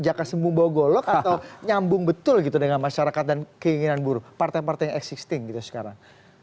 jaka sembuh bawa golok atau nyambung betul gitu dengan masyarakat dan keinginan buruh partai partai yang existing gitu sekarang